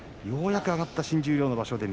ようやく上がった新十両の場所